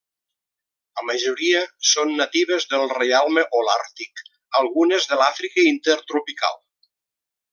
La majoria són natives del reialme holàrtic, algunes de l'Àfrica intertropical.